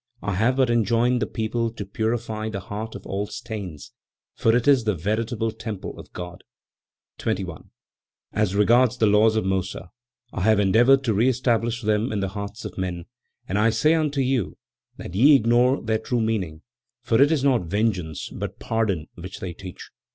I have but enjoined the people to purify the heart of all stains, for it is the veritable temple of God. 21. "As regards the laws of Mossa, I have endeavored to reestablish them in the hearts of men; and I say unto you that ye ignore their true meaning, for it is not vengeance but pardon which they teach.